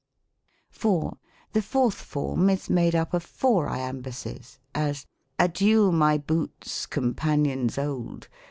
4. The fourth form is made up of four Iambuses : as, " Adieu my boots, companions old.